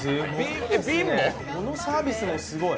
このサービスもすごい。